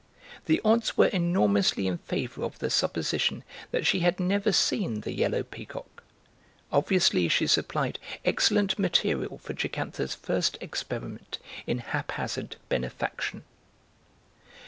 The odds were enormously in favour of the supposition that she had never seen the "Yellow Peacock"; obviously she supplied excellent material for Jocantha's first experiment in haphazard benefaction.